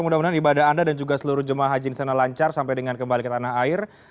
mudah mudahan ibadah anda dan juga seluruh jemaah haji di sana lancar sampai dengan kembali ke tanah air